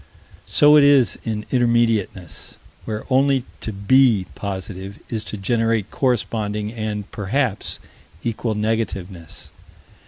So it is in intermediateness, where only to "be" positive is to generate corresponding and, perhaps, equal negativeness.